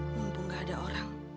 mumpung gak ada orang